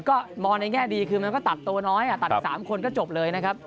ก็มองในแง่ดีคือมันก็ตัดตัวน้อยตัด๓คนก็จบเลยนะครับ